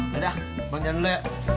ya udah bang jalan dulu ya